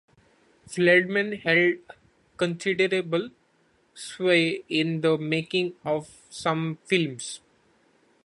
Feldman held considerable sway in the making of some films.